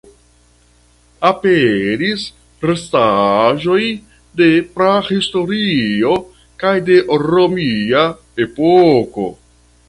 Aperis restaĵoj de prahistorio kaj de romia epoko.